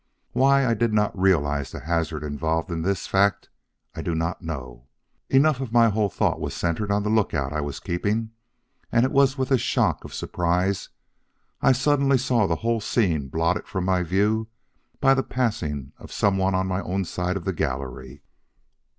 Why I did not realize the hazard involved in this fact I do not know. Enough that my whole thought was centered on the lookout I was keeping and it was with a shock of surprise I suddenly saw the whole scene blotted from my view by the passing by of some one on my own side of the gallery.